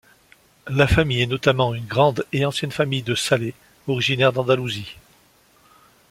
La famille est notamment une grande et ancienne famille de Salé originaire d'Andalousie.